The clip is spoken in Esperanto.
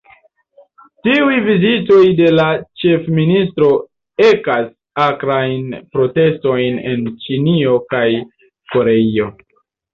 Tiuj vizitoj de la ĉefministro ekas akrajn protestojn en Ĉinio kaj Koreio.